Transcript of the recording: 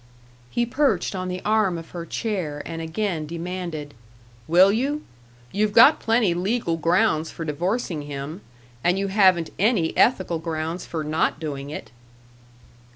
He perched on the arm of her chair, and again demanded: "Will you? You've got plenty legal grounds for divorcing him and you haven't any ethical grounds for not doing it."